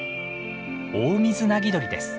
オオミズナギドリです。